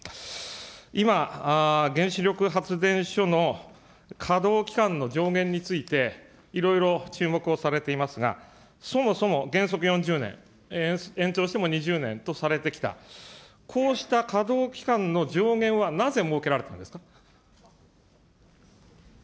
今、原子力発電所の稼働期間の上限について、いろいろ注目をされていますが、そもそも原則４０年、延長しても２０年とされてきた、こうした稼働期間の上限はなぜ設けられたのですか。